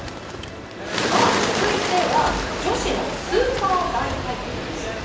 続いては女子のスーパー大回転です。